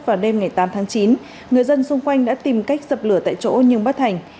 vào đêm ngày tám tháng chín người dân xung quanh đã tìm cách dập lửa tại chỗ nhưng bất thành